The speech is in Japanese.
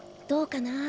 どうかな。